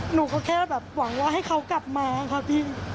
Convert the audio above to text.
หนูก็แค่แบบหวังว่าให้เขากลับมาค่ะพี่